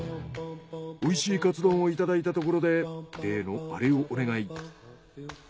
おいしいかつ丼をいただいたところで例のアレをお願い。